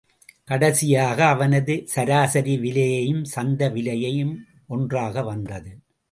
கடைசியாக அவனது சராசரி விலையும் சந்தை விலையும் ஒன்றாக வந்தது.